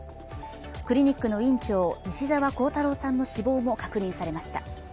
クリニックの院長、西澤弘太郎さんの死亡も確認されました。